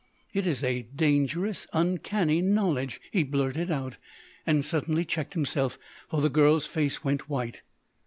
"It's a dangerous, uncanny knowledge!" he blurted out; and suddenly checked himself, for the girl's face went white.